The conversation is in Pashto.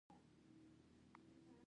ما وې زما پروفائيل به